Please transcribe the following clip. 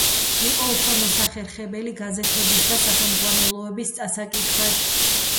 იყო უფრო მოსახერხებელი გაზეთების და სახელმძღვანელოების წასაკითხად.